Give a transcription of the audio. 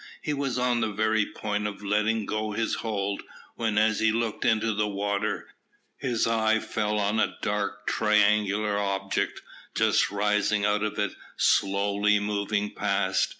He was on the very point of letting go his hold, when, as he looked into the water, his eye fell on a dark triangular object, just rising out of it, slowly moving past.